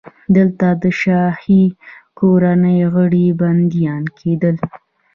دلته د شاهي کورنۍ غړي بندیان کېدل.